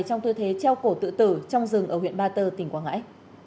trong tư thế treo cổ tự tử trong rừng ở huyện ba tơ tỉnh quảng ngãi